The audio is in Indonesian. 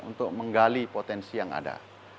untuk menggali potensi yang ada